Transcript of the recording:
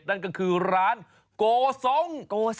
นั่นก็คือร้านโกทรง